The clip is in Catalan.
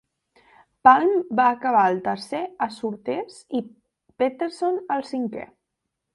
Palm va acabar el tercer a Surtees i Peterson el cinquè.